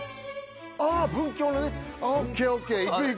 あぁ文京のねＯＫＯＫ。